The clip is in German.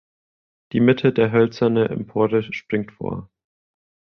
Die Mitte der hölzerne Empore springt vor.